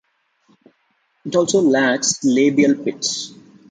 It also lacks labial pits.